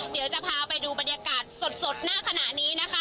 เดี๋ยวจะพาไปดูบรรยากาศสดหน้าขณะนี้นะคะ